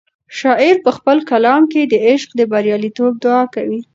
شاعر په خپل کلام کې د عشق د بریالیتوب دعا کوي.